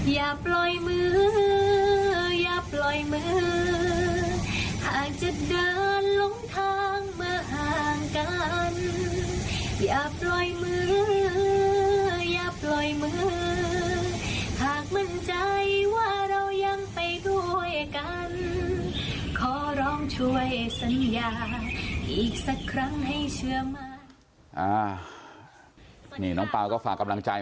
แย้บปล่อยมืออย่าปล่อยมือหากจะเดินลงทางมาห่างกัน